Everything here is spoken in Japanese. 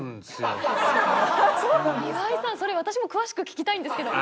岩井さんそれ私も詳しく聞きたいんですけど。